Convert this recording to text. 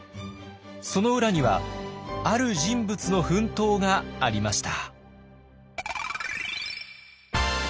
その裏にはある人物の奮闘がありました。